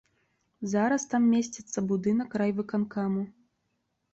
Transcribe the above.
Зараз там месціцца будынак райвыканкаму.